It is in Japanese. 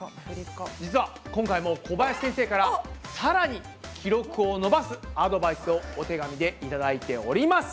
実は今回も小林先生からさらに記録を伸ばすアドバイスをお手紙で頂いております！